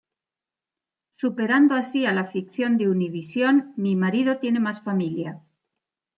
Superando así a la ficción de Univision "Mi marido tiene más familia".